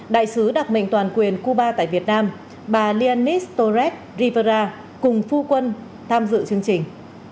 đại sứ đặc mệnh toàn quyền cuba tại việt nam bà lianis torres rivera cùng phu quân tham dự chương trình